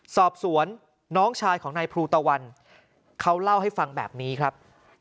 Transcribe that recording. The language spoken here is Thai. สอบสวนน้องชายของนายภูตะวันเขาเล่าให้ฟังแบบนี้ครับ